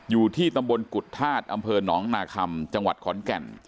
อยู่ที่ตำบลกุฏธาตุอำเภอหนองนาคัมจังหวัดขอนแก่น